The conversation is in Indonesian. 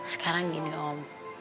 sekarang gini om